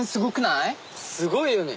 すごいよね。